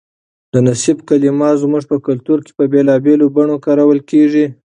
د نصیب کلمه زموږ په کلتور کې په بېلابېلو بڼو کارول کېږي.